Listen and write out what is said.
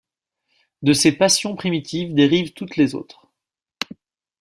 De ces passions primitives dérivent toutes les autres.